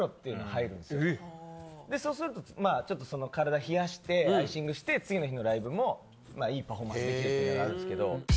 でそうするとまあ体冷やしてアイシングして次の日のライブもいいパフォーマンスできてるってのがあるんですけど。